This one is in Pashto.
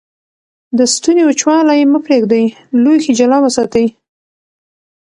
د ستوني وچوالی مه پرېږدئ. لوښي جلا وساتئ.